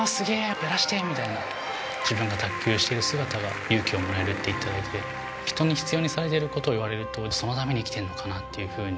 やらしてみたいな、自分が卓球をしている姿が勇気をもらえるって言っていただいて、人に必要にされていることをいわれると、そのために生きてるのかなっていうふうに。